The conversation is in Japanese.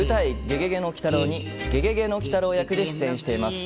「ゲゲゲの鬼太郎」にゲゲゲの鬼太郎役で出演しています。